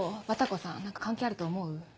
バタコさん何か関係あると思う？